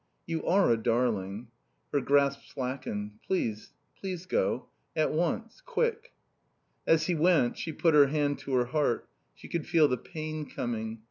"You are a darling." Her grasp slackened. "Please please go. At once. Quick." As he went she put her hand to her heart. She could feel the pain coming.